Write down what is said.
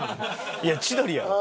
いや千鳥やろ。